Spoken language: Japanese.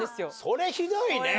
それひどいね。